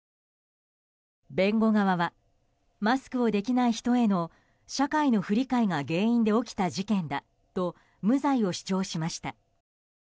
弁護側はマスクをできない人への社会の不理解が原因で起きた事件だと無罪を主張しました。